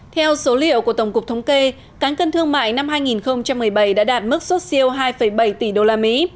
theo số liệu của tổng cục thống kê cán cân thương mại năm hai nghìn một mươi bảy đã đạt mức xuất siêu hai bảy tỷ usd